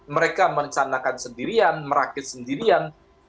mereka merencanakan sendirian merakit sendirian